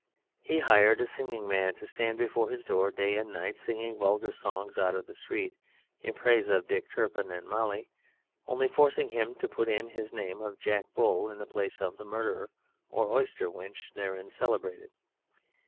He hired a singing man to stand before his door day and night singing vulgar songs out of the street in praise of Dick Turpin and Molly Nog, only forcing him to put in his name of Jack Bull in the place of the Murderer or Oyster Wench therein celebrated.